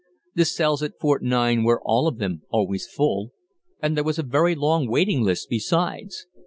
The cells at Fort 9 were all of them always full, and there was a very long waiting list besides.